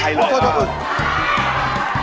เฮ้ยเดี๋ยวเดี๋ยว